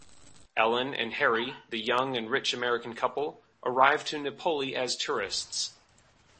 Ellen and Harry the young and rich American couple arrive to Napoli as tourists.